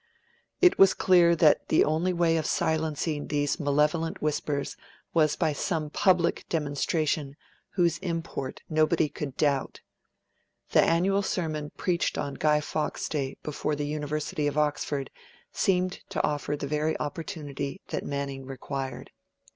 It was clear that the only way of silencing these malevolent whispers was by some public demonstration whose import nobody could doubt. The annual sermon preached on Guy Fawkes Day before the University of Oxford seemed to offer the very opportunity that Manning required.